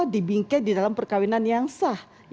dibingkai dalam perkawinan yang sah